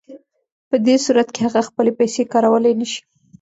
په دې صورت کې هغه خپلې پیسې کارولی نشي